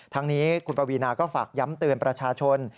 ทั้งนี้คุณปวีนาก็ฝากย้ำเตือนประชาชน